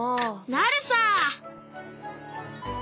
なるさ！